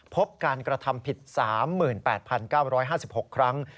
พบการกระทำผิด๓๘๙๕๖ครั้ง